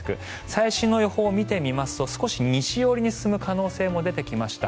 最新の予報を見てみますと少し西寄りに進む可能性も出てきました。